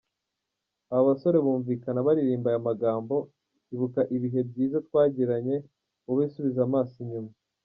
Aba basore bumvikana baririmba aya magambo “Ibuka ibihe byiza twagiranye, wowe subiza amaso inyuma.